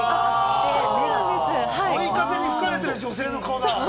追い風に吹かれてる女性の顔だ。